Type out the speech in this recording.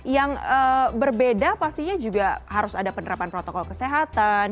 yang berbeda pastinya juga harus ada penerapan protokol kesehatan